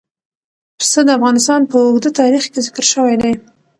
پسه د افغانستان په اوږده تاریخ کې ذکر شوي دي.